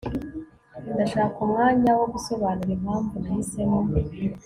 ndashaka umwanya wo gusobanura impamvu nahisemo